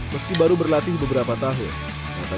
meski baru berlatih beberapa tahun